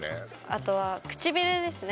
あとは唇ですね